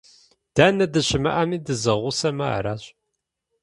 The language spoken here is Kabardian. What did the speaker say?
Дэнэ дыщымыӀэми, дызэгъусэмэ аращ.